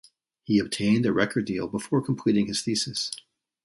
He obtained a record deal before completing his thesis.